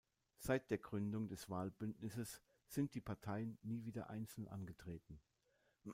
Seit der Gründung des Wahlbündnisses sind die Parteien nie wieder einzeln angetreten.